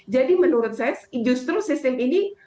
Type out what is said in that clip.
jadi menurut saya justru sistem ini